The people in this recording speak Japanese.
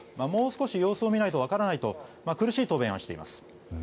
もう少し様子を見ないと分からないと苦しい答弁をしています。